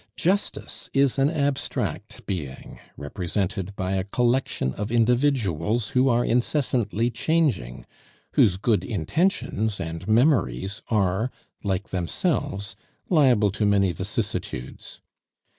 Justice is an abstract being, represented by a collection of individuals who are incessantly changing, whose good intentions and memories are, like themselves, liable to many vicissitudes.